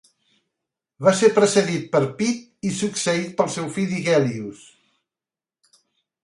Va ser precedit per Pit i succeït pel seu fill Digueillus.